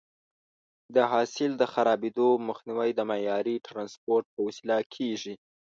د حاصل د خرابېدو مخنیوی د معیاري ټرانسپورټ په وسیله کېږي.